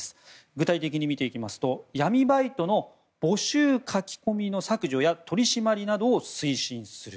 具体的に見ていきますと闇バイトの募集書き込みの削除や取り締まりなどを推進する。